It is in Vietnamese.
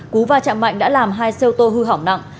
cú va chạm mạnh đã làm hai xe ô tô hư hỏng nặng